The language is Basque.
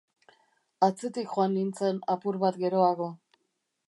Atzetik joan nintzen apur bat geroago.